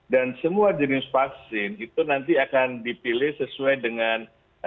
semua jenis vaksin itu nanti akan dipilih sesuai dengan